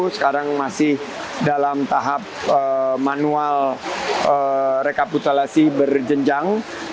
sekarang masih dalam tahap manual rekapitulasi berjenjang